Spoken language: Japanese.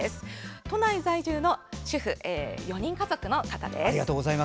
都内在住の主婦の４人家族の方です。